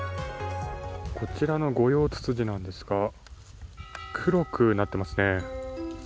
こちらのゴヨウツツジなんですが黒くなってますね。